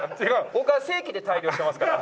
僕は正規で退寮してますから。